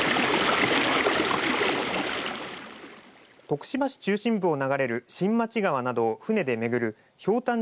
徳島市中心部を流れる新町川などを船で巡るひょうたん